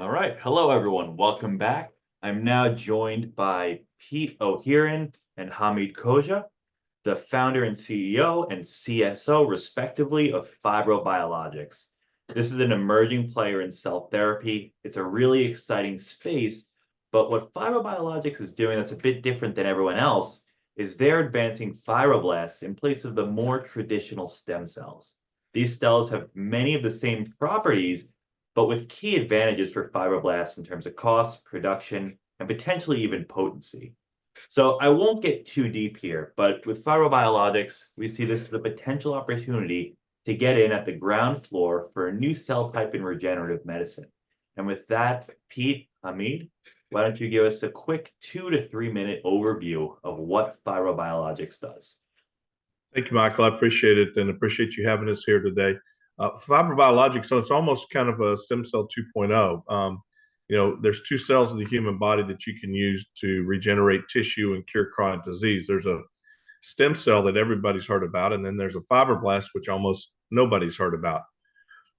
All right. Hello, everyone. Welcome back. I'm now joined by Pete O'Heeron and Hamid Khoja, the founder and CEO, and CSO, respectively, of FibroBiologics. This is an emerging player in cell therapy. It's a really exciting space, but what FibroBiologics is doing that's a bit different than everyone else, is they're advancing fibroblasts in place of the more traditional stem cells. These cells have many of the same properties, but with key advantages for fibroblasts in terms of cost, production, and potentially even potency. So I won't get too deep here, but with FibroBiologics, we see this as a potential opportunity to get in at the ground floor for a new cell type in regenerative medicine. And with that, Pete, Hamid, why don't you give us a quick two- to three-minute overview of what FibroBiologics does? Thank you, Michael, I appreciate it, and appreciate you having us here today. FibroBiologics, so it's almost kind of a stem cell 2.0. You know, there's two cells in the human body that you can use to regenerate tissue and cure chronic disease. There's a stem cell that everybody's heard about, and then there's a fibroblast, which almost nobody's heard about.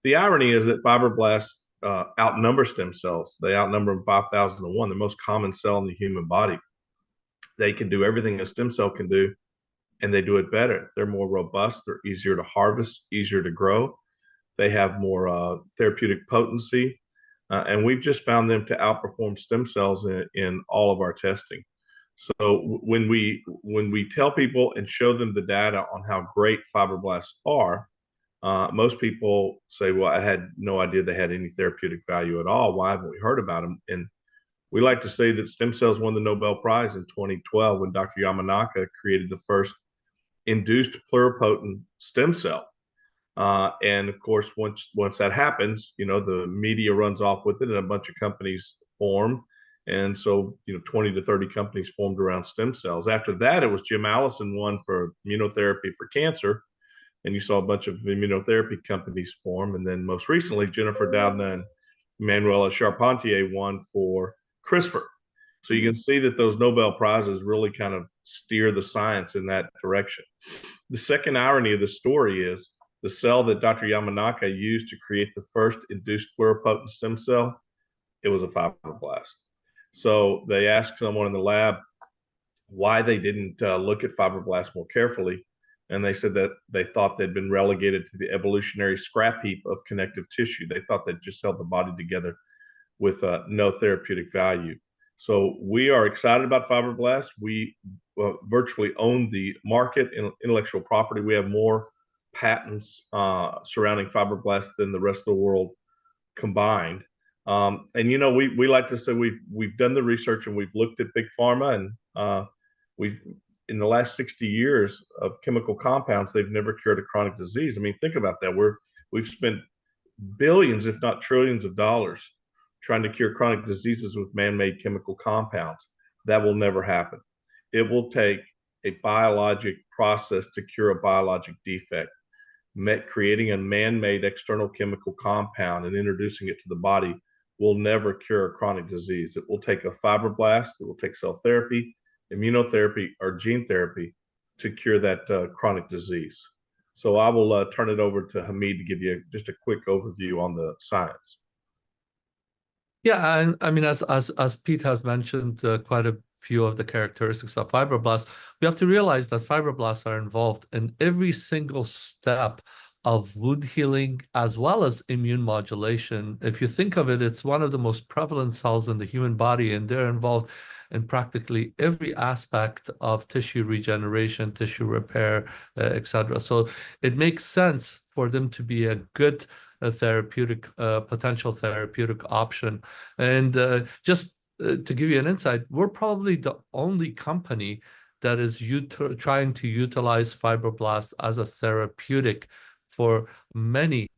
The irony is that fibroblasts outnumber stem cells. They outnumber them 5,000 to one, the most common cell in the human body. They can do everything a stem cell can do, and they do it better. They're more robust, they're easier to harvest, easier to grow. They have more therapeutic potency, and we've just found them to outperform stem cells in all of our testing. So when we tell people and show them the data on how great fibroblasts are, most people say, "Well, I had no idea they had any therapeutic value at all. Why haven't we heard about them?" And we like to say that stem cells won the Nobel Prize in 2012 when Dr. Yamanaka created the first induced pluripotent stem cell. And of course, once that happens, you know, the media runs off with it, and a bunch of companies form, and so, you know, 20-30 companies formed around stem cells. After that, it was Jim Allison won for immunotherapy for cancer, and you saw a bunch of immunotherapy companies form, and then most recently, Jennifer Doudna and Emmanuelle Charpentier won for CRISPR. So you can see that those Nobel Prizes really kind of steer the science in that direction. The second irony of the story is, the cell that Dr. Yamanaka used to create the first induced pluripotent stem cell, it was a fibroblast. So they asked someone in the lab why they didn't look at fibroblasts more carefully, and they said that they thought they'd been relegated to the evolutionary scrap heap of connective tissue. They thought they just held the body together with no therapeutic value. So we are excited about fibroblasts. We virtually own the market in intellectual property. We have more patents surrounding fibroblasts than the rest of the world combined. And you know, we like to say we've done the research and we've looked at big pharma and In the last 60 years of chemical compounds, they've never cured a chronic disease. I mean, think about that. We've spent billions, if not trillions of dollars, trying to cure chronic diseases with man-made chemical compounds. That will never happen. It will take a biologic process to cure a biologic defect. Creating a man-made external chemical compound and introducing it to the body will never cure a chronic disease. It will take a fibroblast, it will take cell therapy, immunotherapy, or gene therapy to cure that chronic disease. So I will turn it over to Hamid to give you just a quick overview on the science. Yeah, and I mean, as Pete has mentioned, quite a few of the characteristics of fibroblasts. We have to realize that fibroblasts are involved in every single step of wound healing, as well as immune modulation. If you think of it, it's one of the most prevalent cells in the human body, and they're involved in practically every aspect of tissue regeneration, tissue repair, et cetera. So it makes sense for them to be a good therapeutic potential therapeutic option. And just to give you an insight, we're probably the only company that is trying to utilize fibroblasts as a therapeutic for many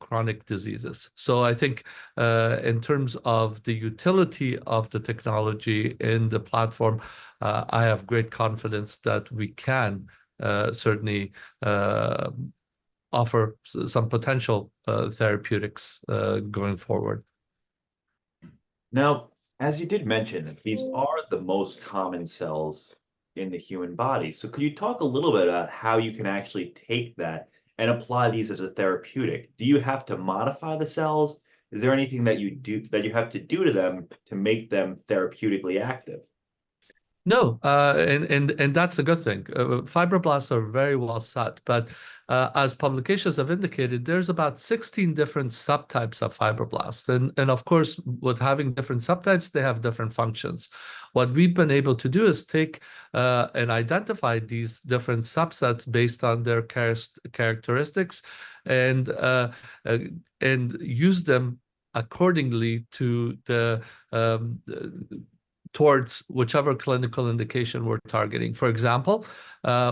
chronic diseases. So I think in terms of the utility of the technology in the platform, I have great confidence that we can certainly offer some potential therapeutics going forward. Now, as you did mention, these are the most common cells in the human body, so could you talk a little bit about how you can actually take that and apply these as a therapeutic? Do you have to modify the cells? Is there anything that you have to do to them to make them therapeutically active? No, that's a good thing. Fibroblasts are very well studied, but as publications have indicated, there's about 16 different subtypes of fibroblasts. And of course, with having different subtypes, they have different functions. What we've been able to do is take and identify these different subsets based on their characteristics and use them accordingly towards whichever clinical indication we're targeting. For example,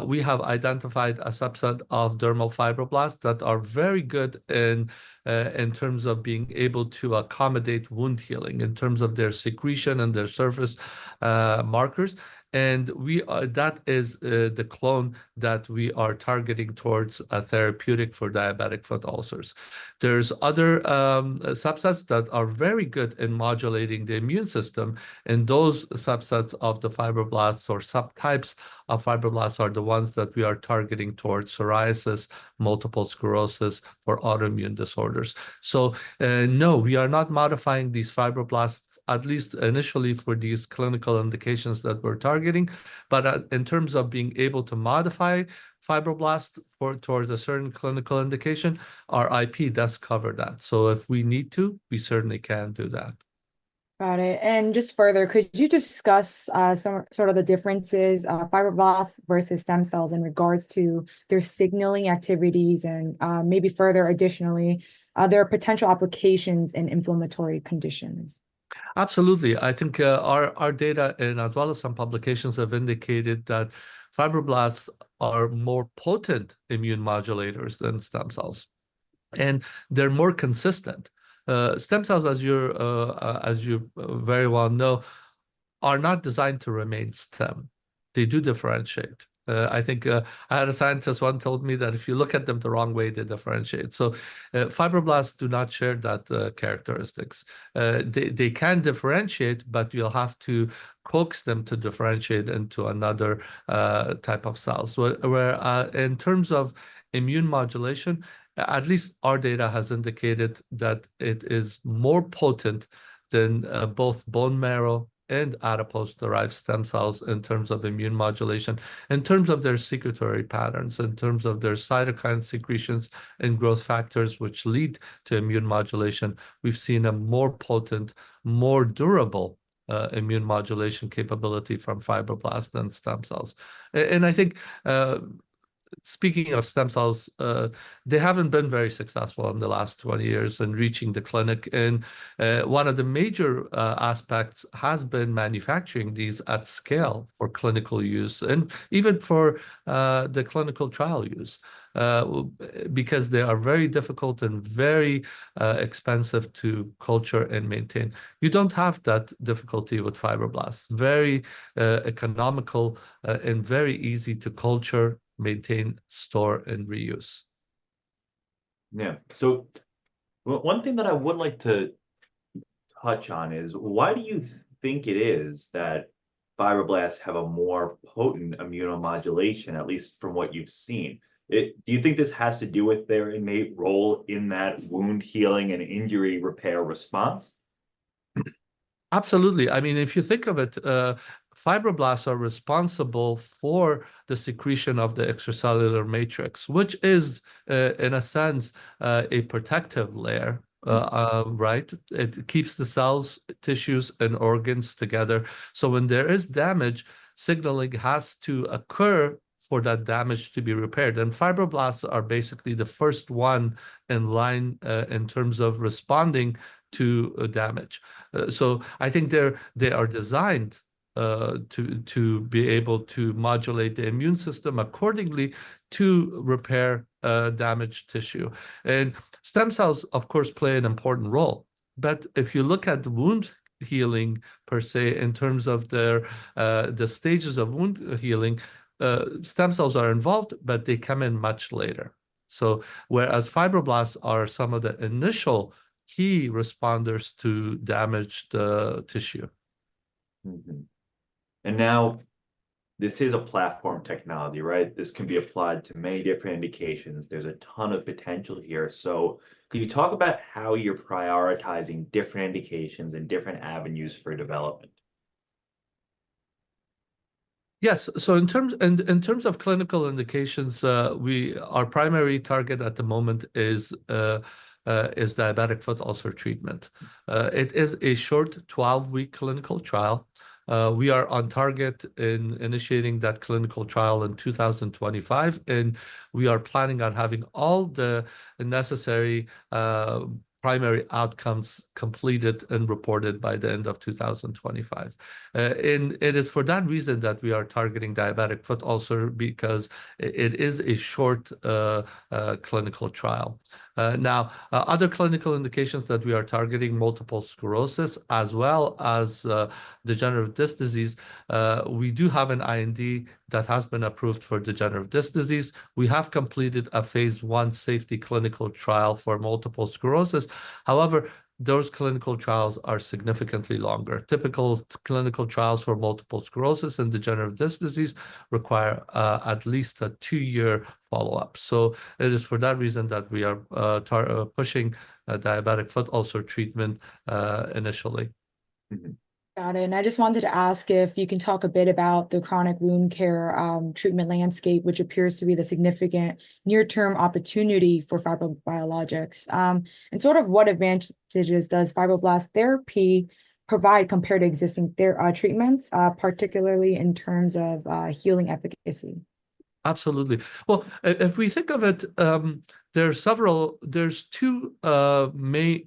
we have identified a subset of dermal fibroblasts that are very good in terms of being able to accommodate wound healing, in terms of their secretion and their surface markers, and that is the clone that we are targeting towards a therapeutic for diabetic foot ulcers. There's other subsets that are very good in modulating the immune system, and those subsets of the fibroblasts or subtypes of fibroblasts are the ones that we are targeting towards psoriasis, multiple sclerosis, or autoimmune disorders. So, no, we are not modifying these fibroblasts, at least initially, for these clinical indications that we're targeting, but at, in terms of being able to modify fibroblasts towards a certain clinical indication, our IP does cover that. So if we need to, we certainly can do that. Got it. And just further, could you discuss some, sort of the differences, fibroblasts versus stem cells in regards to their signaling activities and, maybe further additionally, their potential applications in inflammatory conditions? Absolutely. I think, our data and as well as some publications have indicated that fibroblasts are more potent immune modulators than stem cells, and they're more consistent. Stem cells, as you very well know, are not designed to remain stem. They do differentiate. I think, I had a scientist once told me that if you look at them the wrong way, they differentiate. So, fibroblasts do not share that characteristics. They can differentiate, but you'll have to coax them to differentiate into another type of cells. Where in terms of immune modulation, at least our data has indicated that it is more potent than both bone marrow and adipose-derived stem cells in terms of immune modulation, in terms of their secretory patterns, in terms of their cytokine secretions and growth factors, which lead to immune modulation. We've seen a more potent, more durable immune modulation capability from fibroblasts than stem cells, and I think speaking of stem cells, they haven't been very successful in the last twenty years in reaching the clinic, and one of the major aspects has been manufacturing these at scale for clinical use, and even for the clinical trial use because they are very difficult and very expensive to culture and maintain. You don't have that difficulty with fibroblasts. Very, economical, and very easy to culture, maintain, store, and reuse. Yeah. So one thing that I would like to touch on is, why do you think it is that fibroblasts have a more potent immunomodulation, at least from what you've seen? Do you think this has to do with their innate role in that wound healing and injury repair response? Absolutely. I mean, if you think of it, fibroblasts are responsible for the secretion of the extracellular matrix, which is, in a sense, a protective layer. Right? It keeps the cells, tissues, and organs together. So when there is damage, signaling has to occur for that damage to be repaired, and fibroblasts are basically the first one in line, in terms of responding to damage. So I think they are designed to be able to modulate the immune system accordingly to repair damaged tissue. And stem cells, of course, play an important role. But if you look at wound healing per se, in terms of the stages of wound healing, stem cells are involved, but they come in much later. So whereas fibroblasts are some of the initial key responders to damaged tissue. Mm-hmm. And now this is a platform technology, right? This can be applied to many different indications. There's a ton of potential here. So can you talk about how you're prioritizing different indications and different avenues for development? Yes. In terms of clinical indications, our primary target at the moment is diabetic foot ulcer treatment. It is a short twelve-week clinical trial. We are on target in initiating that clinical trial in 2025, and we are planning on having all the necessary primary outcomes completed and reported by the end of 2025. And it is for that reason that we are targeting diabetic foot ulcer because it is a short clinical trial. Now, other clinical indications that we are targeting, multiple sclerosis as well as degenerative disc disease. We do have an IND that has been approved for degenerative disc disease. We have completed a phase I safety clinical trial for multiple sclerosis. However, those clinical trials are significantly longer. Typical clinical trials for multiple sclerosis and degenerative disc disease require at least a two-year follow-up. So it is for that reason that we are pushing diabetic foot ulcer treatment initially. Mm-hmm. Got it. And I just wanted to ask if you can talk a bit about the chronic wound care treatment landscape, which appears to be the significant near-term opportunity for FibroBiologics. And sort of what advantages does fibroblast therapy provide compared to existing treatments, particularly in terms of healing efficacy? Absolutely. Well, if we think of it, there's two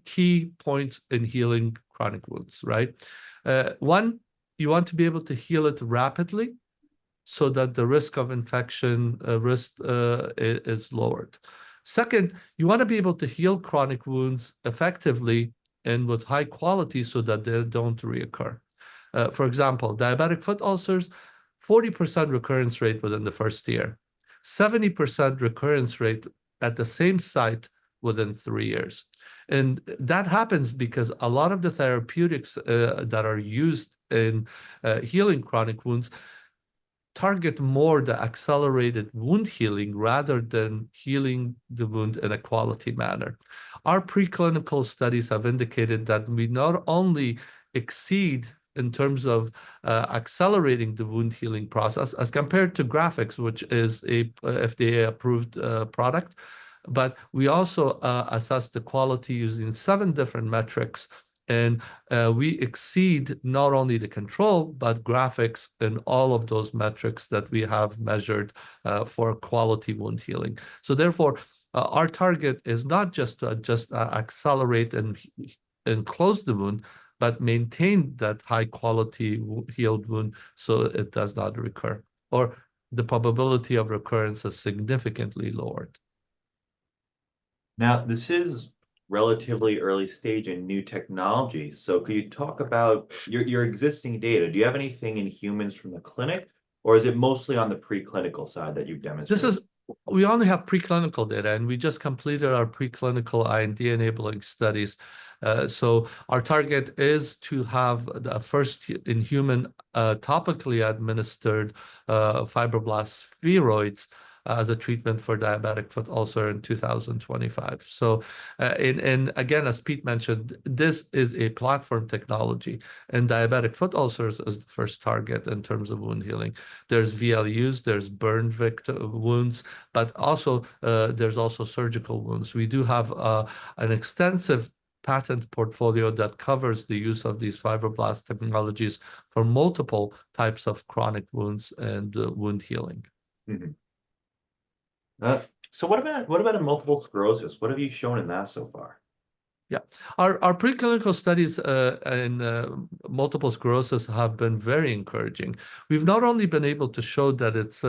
key points in healing chronic wounds, right? One, you want to be able to heal it rapidly so that the risk of infection is lowered. Second, you want to be able to heal chronic wounds effectively and with high quality so that they don't recur. For example, diabetic foot ulcers, 40% recurrence rate within the first year, 70% recurrence rate at the same site within three years. And that happens because a lot of the therapeutics that are used in healing chronic wounds target more the accelerated wound healing rather than healing the wound in a quality manner. Our preclinical studies have indicated that we not only exceed in terms of accelerating the wound healing process as compared to Grafix, which is a FDA-approved product, but we also assess the quality using seven different metrics, and we exceed not only the control, but Grafix in all of those metrics that we have measured for quality wound healing. So therefore, our target is not just to accelerate and close the wound, but maintain that high-quality healed wound so it does not recur, or the probability of recurrence is significantly lowered. Now, this is relatively early stage and new technology, so could you talk about your existing data? Do you have anything in humans from the clinic, or is it mostly on the preclinical side that you've demonstrated? We only have preclinical data, and we just completed our preclinical IND-enabling studies. Our target is to have the first in-human, topically administered, fibroblast spheroids as a treatment for diabetic foot ulcer in 2025. Again, as Pete mentioned, this is a platform technology, and diabetic foot ulcers is the first target in terms of wound healing. There's VLUs, there's burn victim wounds, but also surgical wounds. We do have an extensive patent portfolio that covers the use of these fibroblast technologies for multiple types of chronic wounds and wound healing. Mm-hmm. So what about in multiple sclerosis? What have you shown in that so far? Yeah. Our preclinical studies in multiple sclerosis have been very encouraging. We've not only been able to show that it's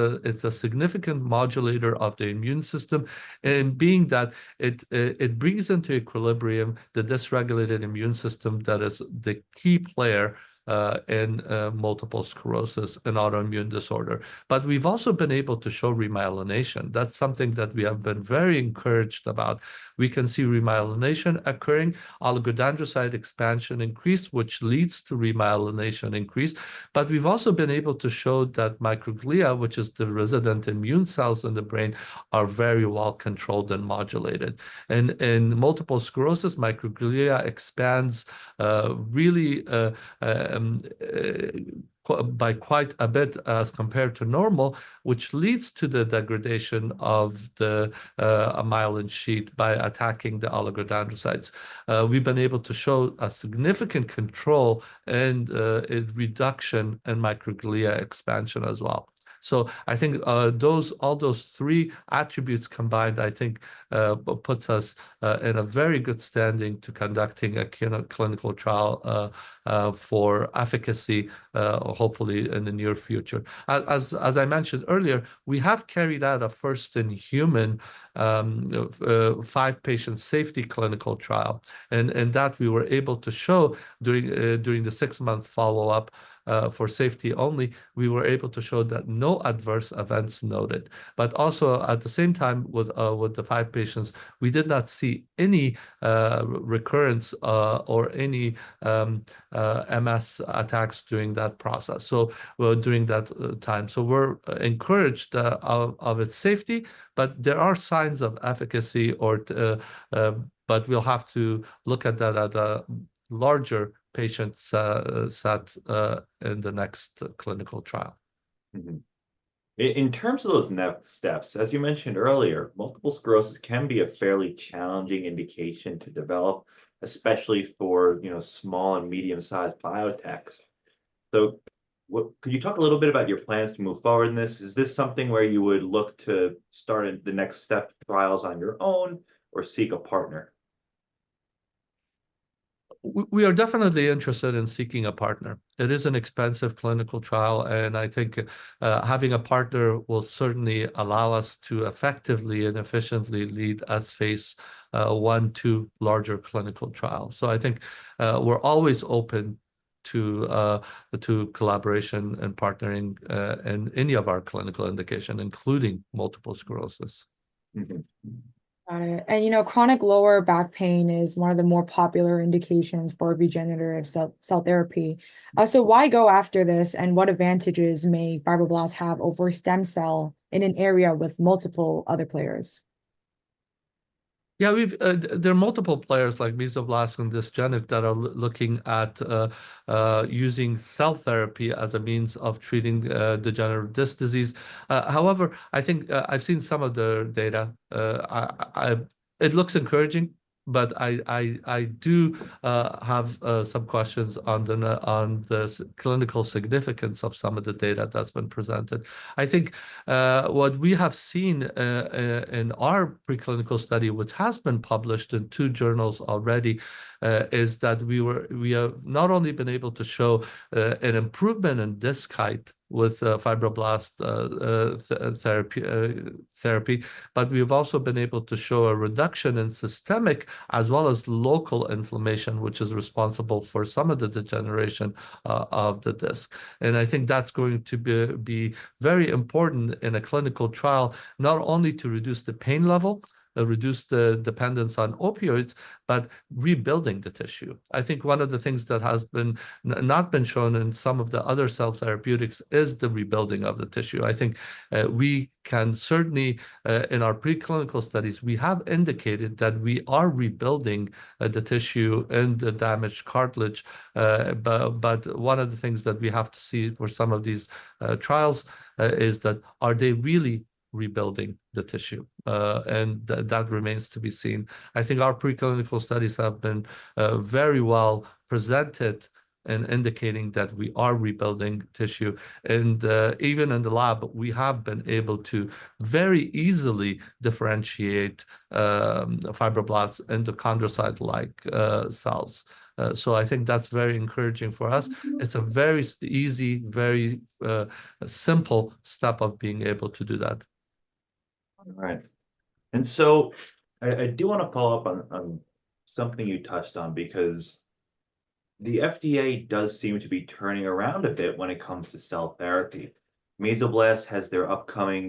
a significant modulator of the immune system, and being that, it brings into equilibrium the dysregulated immune system that is the key player in multiple sclerosis and autoimmune disorder. But we've also been able to show remyelination. That's something that we have been very encouraged about. We can see remyelination occurring, oligodendrocyte expansion increase, which leads to remyelination increase, but we've also been able to show that microglia, which is the resident immune cells in the brain, are very well controlled and modulated. In multiple sclerosis, microglia expands really by quite a bit as compared to normal, which leads to the degradation of the myelin sheath by attacking the oligodendrocytes. We've been able to show a significant control and a reduction in microglia expansion as well. So I think those all those three attributes combined, I think, puts us in a very good standing to conducting a clinical trial for efficacy, hopefully in the near future. As I mentioned earlier, we have carried out a first-in-human five-patient safety clinical trial, and that we were able to show during the six-month follow-up for safety only, we were able to show that no adverse events noted. But also, at the same time, with the five patients, we did not see any recurrence or any MS attacks during that process, so during that time. So we're encouraged of its safety, but there are signs of efficacy, but we'll have to look at that at a larger patient set in the next clinical trial. Mm-hmm. In terms of those next steps, as you mentioned earlier, multiple sclerosis can be a fairly challenging indication to develop, especially for, you know, small and medium-sized biotechs. So, can you talk a little bit about your plans to move forward in this? Is this something where you would look to start in the next step trials on your own or seek a partner? We are definitely interested in seeking a partner. It is an expensive clinical trial, and I think, having a partner will certainly allow us to effectively and efficiently lead a phase I/II larger clinical trial. So I think, we're always open to collaboration and partnering in any of our clinical indication, including multiple sclerosis. Mm-hmm. Got it. And, you know, chronic lower back pain is one of the more popular indications for regenerative cell therapy. So why go after this, and what advantages may fibroblasts have over stem cell in an area with multiple other players? Yeah, there are multiple players like Mesoblast and DiscGenics that are looking at using cell therapy as a means of treating degenerative disc disease. However, I think I've seen some of the data. It looks encouraging, but I do have some questions on the clinical significance of some of the data that's been presented. I think what we have seen in our preclinical study, which has been published in two journals already, is that we have not only been able to show an improvement in disc height with fibroblast therapy, but we've also been able to show a reduction in systemic as well as local inflammation, which is responsible for some of the degeneration of the disc. And I think that's going to be very important in a clinical trial, not only to reduce the pain level, reduce the dependence on opioids, but rebuilding the tissue. I think one of the things that has not been shown in some of the other cell therapeutics is the rebuilding of the tissue. I think we can certainly in our preclinical studies we have indicated that we are rebuilding the tissue and the damaged cartilage. But one of the things that we have to see for some of these trials is that are they really rebuilding the tissue? And that remains to be seen. I think our preclinical studies have been very well presented in indicating that we are rebuilding tissue, and even in the lab, we have been able to very easily differentiate fibroblasts into chondrocyte-like cells. So I think that's very encouraging for us. Mm-hmm. It's a very easy, very, simple step of being able to do that. All right, and so I do want to follow up on something you touched on, because the FDA does seem to be turning around a bit when it comes to cell therapy. Mesoblast has their upcoming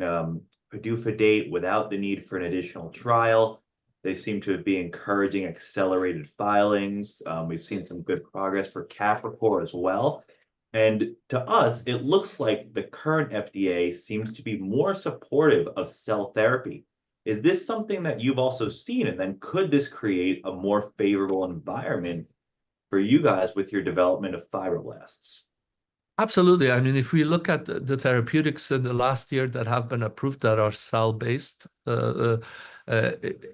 PDUFA date without the need for an additional trial. They seem to be encouraging accelerated filings. We've seen some good progress for Capricor as well, and to us, it looks like the current FDA seems to be more supportive of cell therapy. Is this something that you've also seen, and then could this create a more favorable environment for you guys with your development of fibroblasts? Absolutely. I mean, if we look at the therapeutics in the last year that have been approved that are cell-based, it's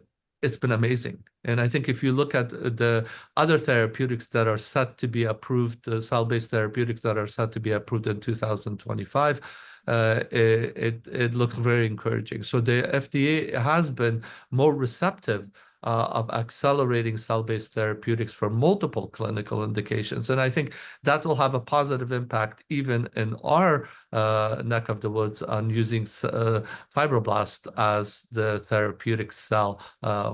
been amazing, and I think if you look at the other therapeutics that are set to be approved, the cell-based therapeutics that are set to be approved in 2025, it looks very encouraging, so the FDA has been more receptive of accelerating cell-based therapeutics for multiple clinical indications, and I think that will have a positive impact even in our neck of the woods on using fibroblast as the therapeutic cell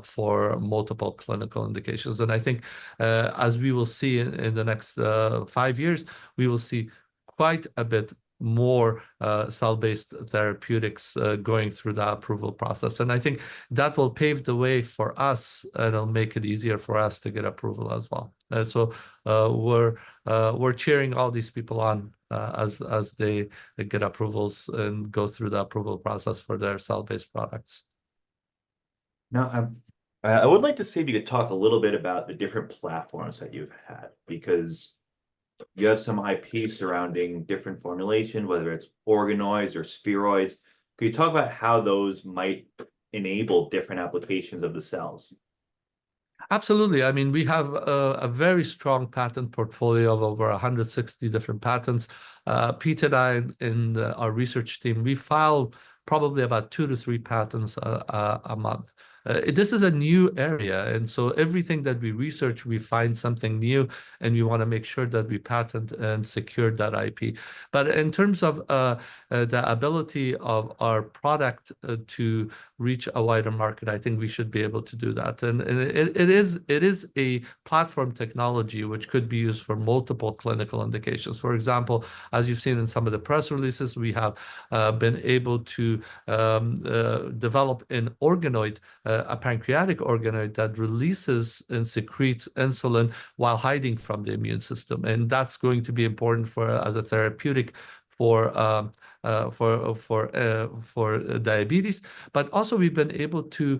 for multiple clinical indications. I think, as we will see in the next five years, we will see quite a bit more cell-based therapeutics going through the approval process, and I think that will pave the way for us, and it'll make it easier for us to get approval as well, so we're cheering all these people on, as they get approvals and go through the approval process for their cell-based products. Now, I would like to see if you could talk a little bit about the different platforms that you've had, because you have some IP surrounding different formulation, whether it's organoids or spheroids. Can you talk about how those might enable different applications of the cells? Absolutely. I mean, we have a very strong patent portfolio of over 160 different patents. Peter and I and our research team, we file probably about two to three patents a month. This is a new area, and so everything that we research, we find something new, and we want to make sure that we patent and secure that IP. But in terms of the ability of our product to reach a wider market, I think we should be able to do that. And it is a platform technology which could be used for multiple clinical indications. For example, as you've seen in some of the press releases, we have been able to develop an organoid, a pancreatic organoid that releases and secretes insulin while hiding from the immune system, and that's going to be important as a therapeutic for diabetes. But also, we've been able to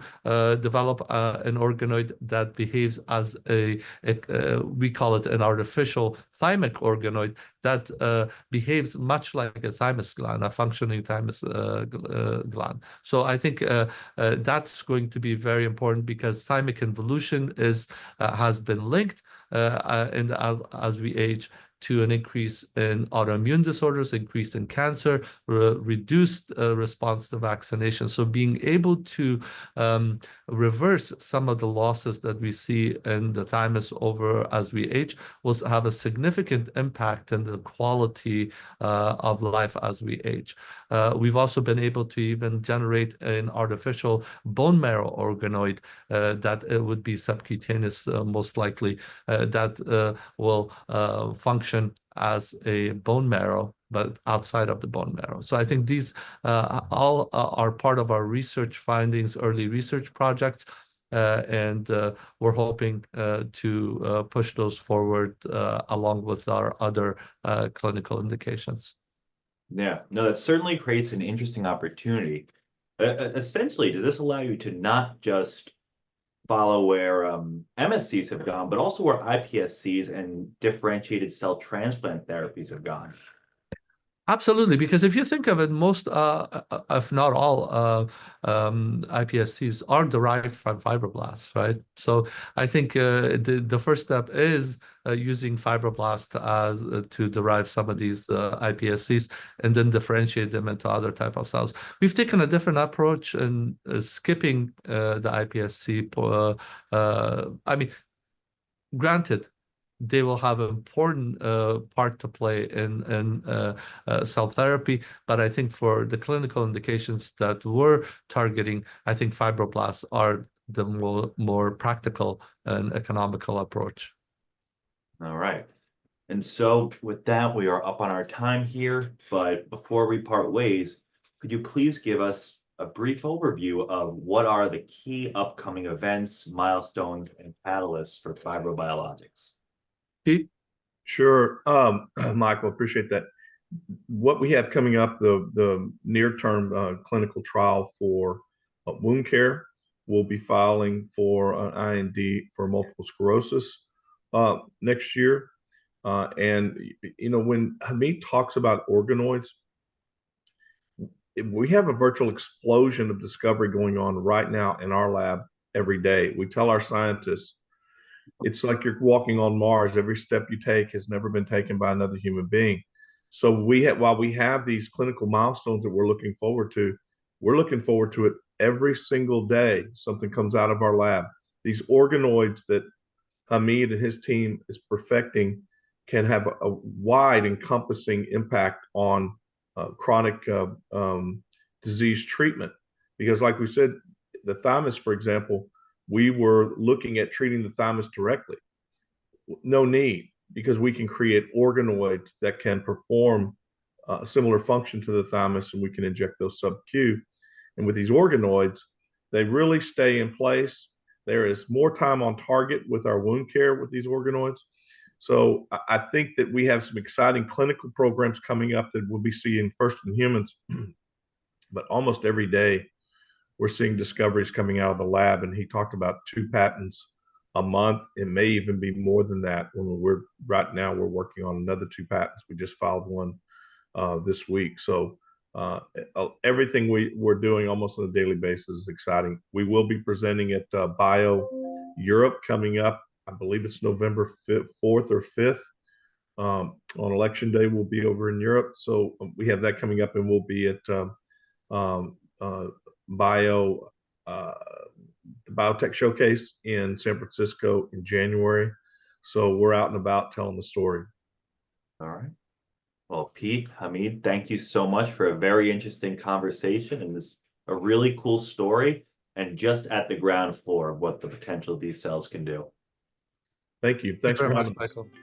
develop an organoid that behaves as a we call it an artificial thymic organoid that behaves much like a thymus gland, a functioning thymus gland. So I think that's going to be very important because thymic involution has been linked as we age to an increase in autoimmune disorders, increase in cancer, reduced response to vaccination. So being able to reverse some of the losses that we see in the thymus over as we age will have a significant impact in the quality of life as we age. We've also been able to even generate an artificial bone marrow organoid that would be subcutaneous, most likely, that will function as a bone marrow, but outside of the bone marrow. So I think these all are part of our research findings, early research projects, and we're hoping to push those forward along with our other clinical indications. Yeah. No, that certainly creates an interesting opportunity. Essentially, does this allow you to not just follow where MSCs have gone, but also where iPSCs and differentiated cell transplant therapies have gone? Absolutely, because if you think of it, most, if not all of iPSCs are derived from fibroblasts, right? So I think the first step is using fibroblasts as to derive some of these iPSCs, and then differentiate them into other type of cells. We've taken a different approach in skipping the iPSC, I mean, granted, they will have an important part to play in cell therapy, but I think for the clinical indications that we're targeting, I think fibroblasts are the more practical and economical approach. All right. And so with that, we are up on our time here, but before we part ways, could you please give us a brief overview of what are the key upcoming events, milestones, and catalysts for FibroBiologics? Pete? Sure. Michael, appreciate that. What we have coming up, the near-term clinical trial for wound care. We'll be filing for an IND for multiple sclerosis next year, and you know, when Hamid talks about organoids, we have a virtual explosion of discovery going on right now in our lab every day. We tell our scientists, "It's like you're walking on Mars. Every step you take has never been taken by another human being." So we have while we have these clinical milestones that we're looking forward to, we're looking forward to it every single day something comes out of our lab. These organoids that Hamid and his team is perfecting can have a wide, encompassing impact on chronic disease treatment. Because like we said, the thymus, for example, we were looking at treating the thymus directly. No need, because we can create organoids that can perform a similar function to the thymus, and we can inject those sub-Q, and with these organoids, they really stay in place. There is more time on target with our wound care with these organoids, so I think that we have some exciting clinical programs coming up that we'll be seeing first in humans, but almost every day we're seeing discoveries coming out of the lab, and he talked about two patents a month. It may even be more than that when we're... Right now, we're working on another two patents. We just filed one this week, so everything we're doing almost on a daily basis is exciting. We will be presenting at BIO-Europe coming up. I believe it's November fourth or fifth. On Election Day, we'll be over in Europe, so we have that coming up, and we'll be at BIO, the Biotech Showcase in San Francisco in January. So we're out and about telling the story. All right. Well, Pete, Hamid, thank you so much for a very interesting conversation, and this, a really cool story, and just at the ground floor of what the potential these cells can do. Thank you. Thanks very much. Thank you very much, Michael.